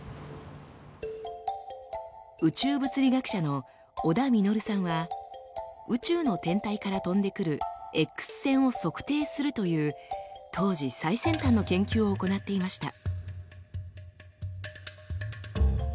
宇宙物理学者の小田稔さんは宇宙の天体から飛んでくるＸ線を測定するという当時最先端の研究を行っていました。